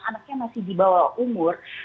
anaknya masih di bawah umur